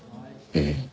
ええ。